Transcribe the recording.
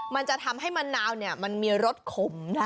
มันจะทำให้มะนาวมันมีรสขมได้